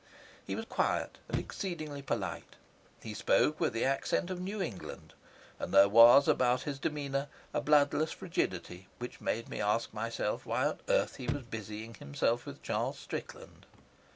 He was quiet and exceedingly polite. He spoke with the accent of New England, and there was about his demeanour a bloodless frigidity which made me ask myself why on earth he was busying himself with Charles Strickland.